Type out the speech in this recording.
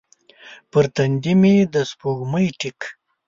پر تندې مې د سپوږمۍ ټیک